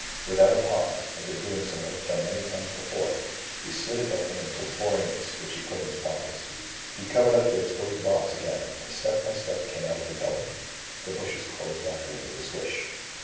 Without a pause, as if doing some work done many times before, he slit it open and took four ingots, which he put in his pockets. He covered up the exposed box again and step by step came out of the gully. The bushes closed after him with a swish.